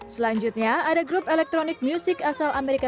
selanjutnya ada grup elektronik music asal amerika